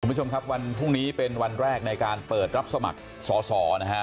คุณผู้ชมครับวันพรุ่งนี้เป็นวันแรกในการเปิดรับสมัครสอสอนะฮะ